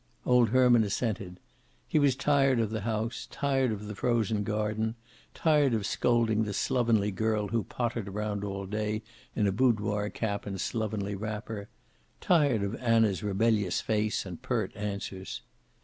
Old Herman assented. He was tired of the house, tired of the frozen garden, tired of scolding the slovenly girl who pottered around all day in a boudoir cap and slovenly wrapper. Tired of Anna's rebellious face and pert answers.